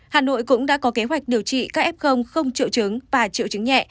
hà nội cũng đã có kế hoạch điều trị các f không triệu chứng và triệu chứng nhẹ